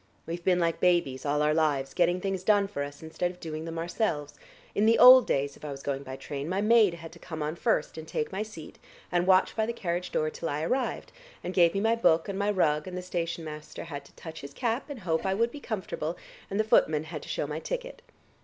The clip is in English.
We've been like babies all our lives, getting things done for us, instead of doing them ourselves. In the old days if I was going by train my maid had to come on first and take my seat, and watch by the carriage door till I arrived, and gave me my book and my rug, and the station master had to touch his cap and hope I would be comfortable, and the footman had to shew my ticket."